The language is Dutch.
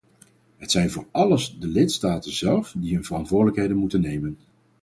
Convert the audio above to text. Het zijn vóór alles de lidstaten zelf die hun verantwoordelijkheden moeten nemen.